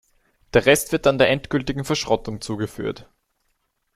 Der Rest wird dann der endgültigen Verschrottung zugeführt.